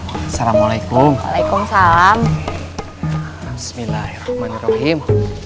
hai assalamualaikum waalaikumsalam bismillahirrohmanirrohim